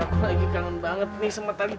tuh tuh tuh menter menter menter